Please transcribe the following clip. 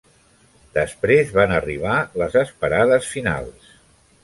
Després van arribar les esperades finals.